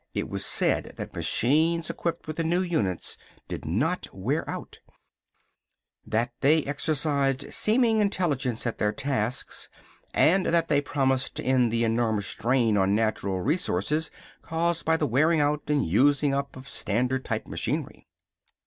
It was said that machines equipped with the new units did not wear out, that they exercised seeming intelligence at their tasks, and that they promised to end the enormous drain on natural resources caused by the wearing out and using up of standard type machinery.